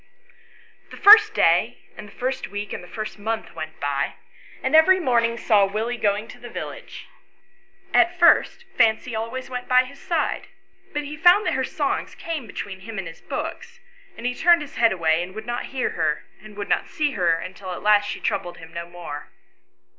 The first day and the first week and the first month went by, and every morning saw Willie going to the village ; at first Fancy always went by his side, but he found that her songs came between him and his books, and he turned his head away and would not hear her, and would not see her, until at last she troubled him no more.